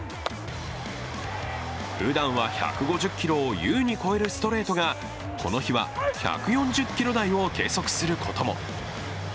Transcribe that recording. ふだんは１５０キロを優に超えるストレートがこの日は、１４０キロ台を計測することも。